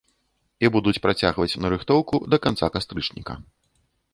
І будуць працягваць нарыхтоўку да канца кастрычніка.